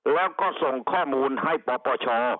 แล้วก็ส่งข้อมูลให้ปปช